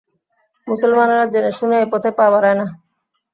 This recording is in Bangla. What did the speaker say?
মুসলমানরা জেনে-শুনে এ পথে পা বাড়ায় না।